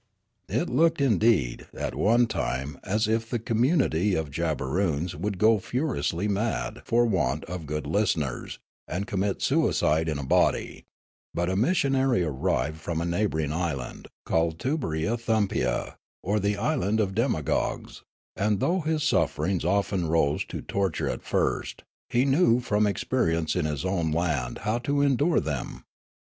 It looked, indeed, at one time as if the community of Jabberoons would go furiously mad for want of good listeners, and commit suicide in a body ; but a mis sionary arriv^ed from a neighbouring island, called Tubberythumpia, or the island of demagogues ; and though his sufferings often rose to torture at first, he knew from experience in his own land how to endure them.